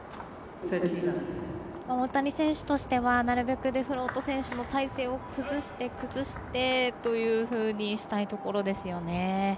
大谷選手としてはなるべくデフロート選手の体勢を崩してというふうにしたいところですね。